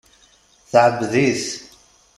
Teɛbed-it.